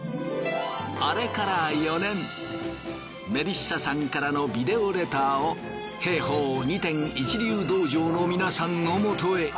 メリッサさんからのビデオレターを兵法二天一流道場の皆さんのもとへ。